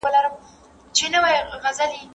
نوي فابريکي د زړو فابريکو په پرتله ډير توليد کوي.